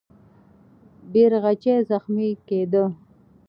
بیرغچی زخمي کېده.